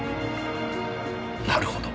なるほど。